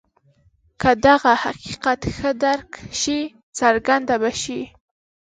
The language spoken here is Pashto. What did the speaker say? که دغه حقیقت ښه درک شي څرګنده به شي.